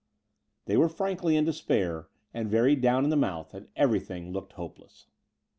They were frankly in despair and very down in the mouth ; and everything looked hopeless.